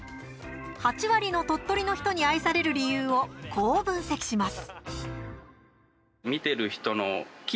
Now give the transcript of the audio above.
８割の鳥取の人に愛される理由をこう分析します。